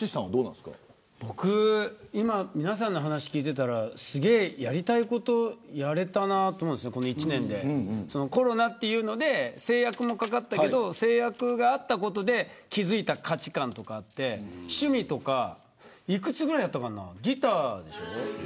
僕、今、皆さんの話聞いてたらすげえやりたいことやれたなと思うんですよ、この一年でコロナっていうので制約も掛かったけど制約があったことで気付いた価値観とかあって趣味とかいくつぐらいやったかなギターでしょ。